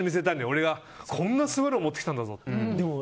俺がこんなすごいの持ってきたんだぞって。